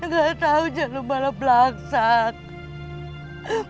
gak tau jangan lu malah pelaksana